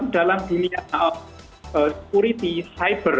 dalam dunia security cyber